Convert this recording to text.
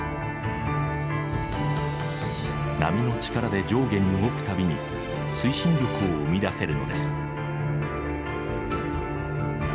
波の力で上下に動く度に推進力を生み出せるのです。